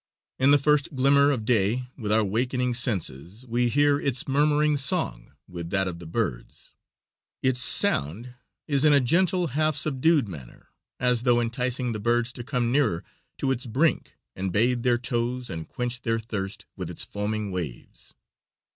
In the first glimmer of day with our wakening senses we hear its murmuring song with that of the birds. Its sound is in a gentle, half subdued manner, as though enticing the birds to come nearer to its brink and bathe their toes and quench their thirst with its foaming waves.